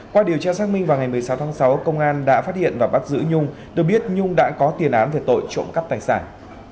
qua điều tra xác minh vào ngày một mươi sáu tháng sáu công an đã phát hiện và bắt giữ nhung được biết nhung đã có tiền án về tội trộm cắp tài sản